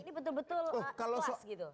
ini betul betul pas gitu